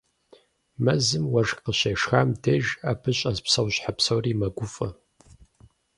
Мэзым уэшх къыщешхам деж, абы щӏэс псэущхьэ псори мэгуфӏэ.